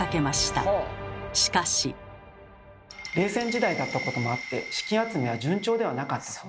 冷戦時代だったこともあって資金集めは順調ではなかったそうです。